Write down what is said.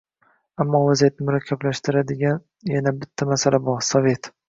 Ammo vaziyatni murakkablashtiradigan yana bitta masala bor: Sovet